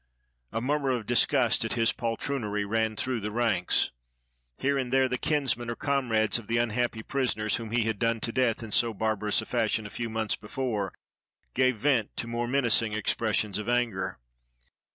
A murmur of disgust at his poltroonery ran through the canks. Here and there the kinsmen or comrades of the unhappy prisoners whom he had done to death in so barbarous a fashion a few months before, gave vent to more menacing expressions of anger.